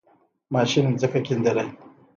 ماشین زَمکه کیندله.